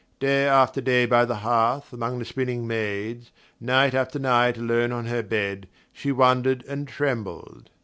Day after day by the hearth among the spinning maids, night after night alone on her bed, she wondered and trembled.